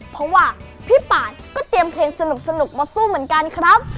เพราะว่าพี่ปานก็เตรียมเพลงสนุกมาสู้เหมือนกันครับ